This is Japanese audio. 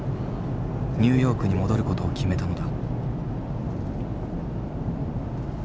ニューヨークに戻ることを決めたのだ。